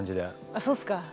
あそうっすか？